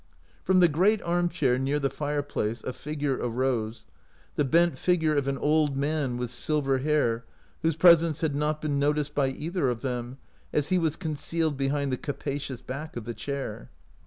From the great arm chair near the fire place a figure arose — the bent figure of an old man with silver hair, whose presence had not been noticed by either of them, as he was concealed behind the capacious back of the chair..